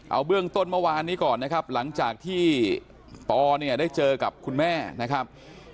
เอาเบื้องต้นเมื่อวานนี้ก่อนนะครับหลังจากที่ปอเนี่ยได้เจอกับคุณแม่นะครับ